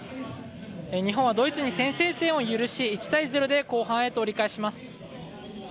日本はドイツに先制点を許し１対０で後半へと折り返します。